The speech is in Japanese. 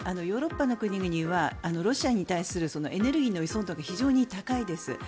ヨーロッパの国々はロシアに対するエネルギーの依存度が非常に高いです。